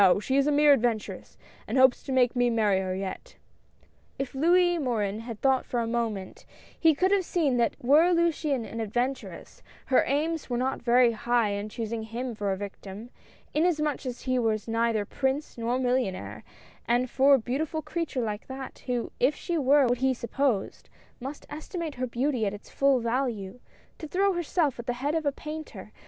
she is a mere adventuress, and hopes to make me marry her yet." If Louis Morin had thought for a moment, he could have seen that were Luciane an adventuress, her aims were not very high in choosing him for a victim, inasmuch as he was neither Prince nor Millionaire — and for a beautiful creature lil^e that, who, if she were what he supposed, must estimate her beauty at its full value — to throw herself at the head of a painter 11 178 A SURPKISE.